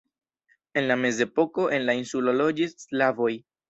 En la Mezepoko en la insulo loĝis slavoj.